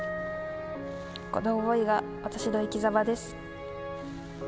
この思いが私の生きざまです。